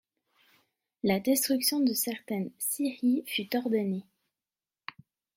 La destruction de certaines scieries fut ordonnée.